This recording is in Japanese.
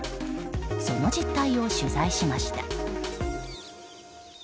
その実態を取材しました。